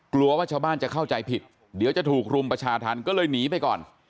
กลัวว่าชาวบ้านจะเข้าใจผิดเดี๋ยวจะถูกรุมประชาธรรมก็เลยหนีไปก่อน